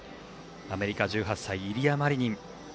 アメリカ、１８歳イリア・マリニン。